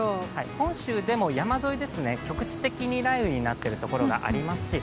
本州でも山沿い、局地的に雷雨になってるところがありますし